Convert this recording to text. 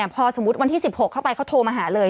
พอสมมุติวันที่๑๖เข้าไปเขาโทรมาหาเลย